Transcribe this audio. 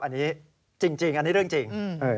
อันนี้จริงอันนี้เรื่องจริง